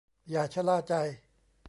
อย่าชะล่าใจ